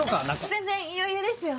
全然余裕ですよ。